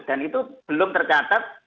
dan itu belum tercatat